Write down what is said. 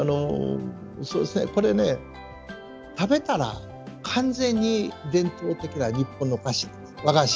これね食べたら完全に伝統的な日本の和菓子なんです。